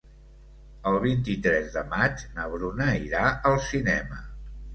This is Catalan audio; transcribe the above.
El vint-i-tres de maig na Bruna irà al cinema.